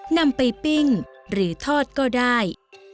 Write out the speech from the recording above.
นำไปปิ้งหรือทอดก็ได้